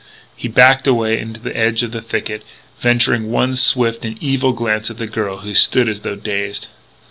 He backed away to the edge of the thicket, venturing one swift and evil glance at the girl who stood as though dazed.